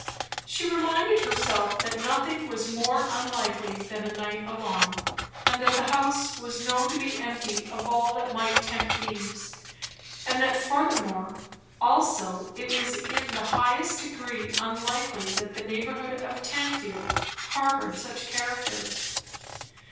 She reminded herself that nothing was more unlikely than a night alarm; that the house was known to be empty of all that might tempt thieves, and that furthermore also it was in the highest degree unlikely that the neighbourhood of Tanfield harboured such characters.